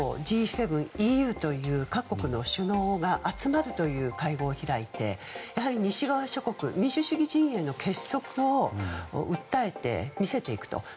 ＮＡＴＯ、Ｇ７ＥＵという各国の首脳が集まるという会合を開いてやはり西側諸国民主主義陣営の結束を訴えて見せていくと。